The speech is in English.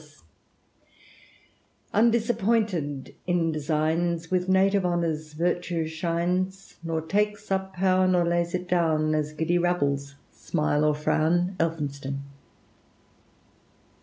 Undisappointed in designs, With native honours virtue shines ; Nor takes up pow'r, nor lays it down, As giddy rabbles smile or frown. *' Elphinston.